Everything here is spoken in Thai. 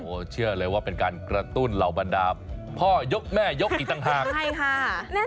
โอ้โหเชื่อเลยว่าเป็นการกระตุ้นเหล่าบรรดาพ่อยกแม่ยกอีกต่างหากใช่ค่ะ